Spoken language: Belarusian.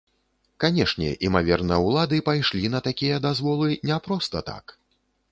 Канешне, імаверна, улады пайшлі на такія дазволы не проста так.